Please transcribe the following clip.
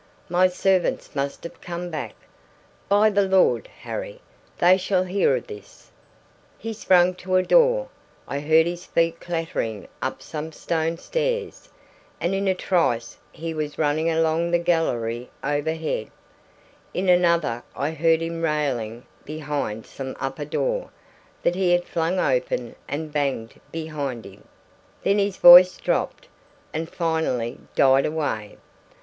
"My servants must have come back. By the Lord Harry, they shall hear of this!" He sprang to a door, I heard his feet clattering up some stone stairs, and in a trice he was running along the gallery overhead; in another I heard him railing behind some upper door that he had flung open and banged behind him; then his voice dropped, and finally died away.